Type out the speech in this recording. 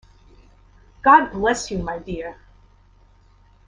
God bless you, my dear!